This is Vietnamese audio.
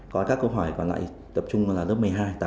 có các câu hỏi còn lại tập trung là lớp một mươi hai tám mươi